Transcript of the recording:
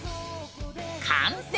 完成！